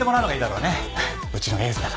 うちのエースだから。